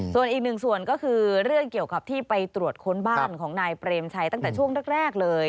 ส่วนอีกหนึ่งส่วนก็คือเรื่องเกี่ยวกับที่ไปตรวจค้นบ้านของนายเปรมชัยตั้งแต่ช่วงแรกเลย